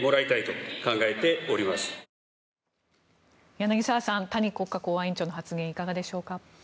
柳澤さん谷国家公安委員長の発言いかがでしょうか。